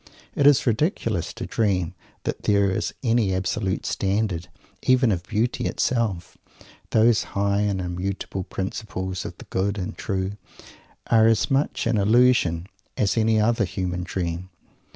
It is ridiculous to dream that there is any absolute standard even of beauty itself. Those high and immutable Principles of The Good and True are as much an illusion as any other human dream.